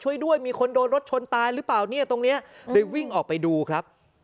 ช่วยด้วยมีคนโดนรถชนตายหรือเปล่าเนี่ยตรงเนี้ยเลยวิ่งออกไปดูครับ